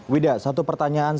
wida satu pertanyaan saja